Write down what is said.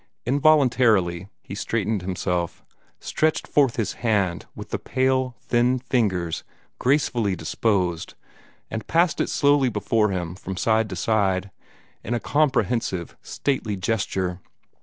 Involuntarily he straightened himself, stretched forth his hand with the pale, thin fingers gracefully disposed, and passed it slowly before him from side to side, in a comprehensive, stately gesture.